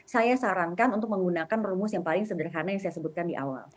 saya sarankan untuk menggunakan rumus yang paling sederhana yang saya sebutkan di awal